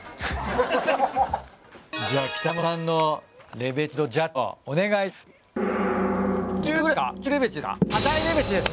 じゃ北山さんのレベチ度ジャッジをお願いします。